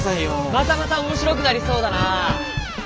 またまた面白くなりそうだな。